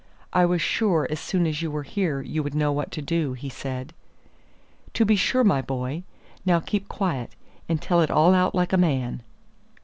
"I was sure as soon as you were here you would know what to do," he said. "To be sure, my boy. Now keep quiet, and tell it all out like a man."